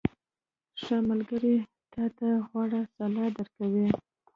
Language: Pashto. • ښه ملګری تا ته غوره سلا درکوي.